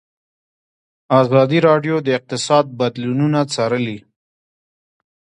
ازادي راډیو د اقتصاد بدلونونه څارلي.